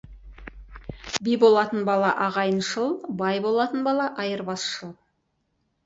Би болатын бала ағайыншыл, бай болатын бала айырбасшыл.